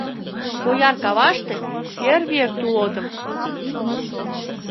Ояр каваште фейерверк-тулотым